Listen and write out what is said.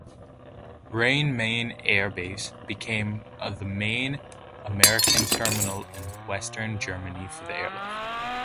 Rhein-Main Air Base became the main American terminal in western Germany for the airlift.